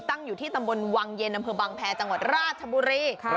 ตั้งอยู่ที่ตำบลวังเย็นอำเภอบังแพรจังหวัดราชบุรี